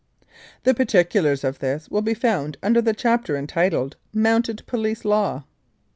The particulars of this will be found under the chapter entitled "Mounted Police Law."